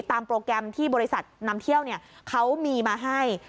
โปรแกรมที่บริษัทนำเที่ยวเขามีมาให้